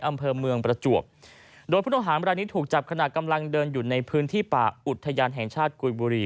อำเภอเมืองประจวบโดยผู้ต้องหามรายนี้ถูกจับขณะกำลังเดินอยู่ในพื้นที่ป่าอุทยานแห่งชาติกุยบุรี